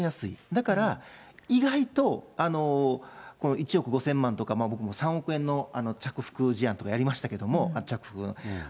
だから、意外とこの１億５０００万とか、僕も３億円の着服事案とかやりましたけれども、着服。